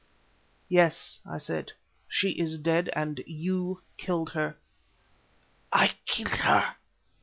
"Yes," I said, "she is dead, and you killed her." "I killed her!"